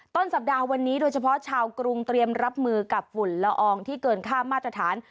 ต้นสัปดาห์วันนี้โดยเฉพาะชาวกรุงเตรียมรับมือกับฝุ่นละอองที่เกินค่ามาตรฐาน